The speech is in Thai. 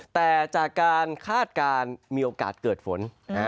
แต่จากการคาดการณ์มีโอกาสเกิดฝน